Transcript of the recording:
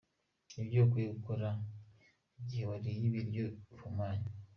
Ibyo ukwiye gukora igihe wariye ibiryo bihumanye.